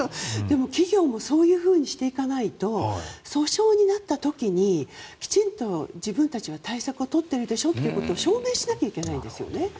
企業もそうしないと訴訟になった時にきちんと自分たちが対策をとっているでしょということも証明しなきゃいけないんですよね。